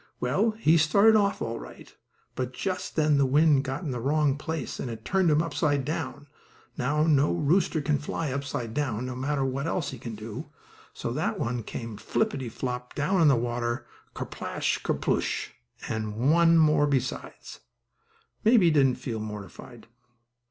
Well, he started off all right, but just then the wind got in the wrong place, and it turned him upside down. Now, no rooster can fly upside down, no matter what else he can do, so that one came flippity flop down into the water ker splash ker sposh; and one more besides! Maybe he didn't feel mortified!